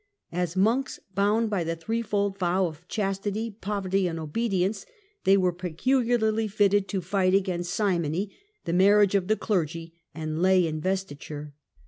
As monks, bound by the threefold vow of chastity, poverty and obedience, they were peculiarly fitted to fight against simony, the marriage of the clergy, and lay investiture.